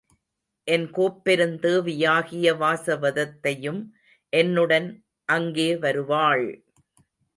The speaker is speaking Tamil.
என் கோப்பெருந்தேவியாகிய வாசவதத்தையும் என்னுடன் அங்கே வருவாள்!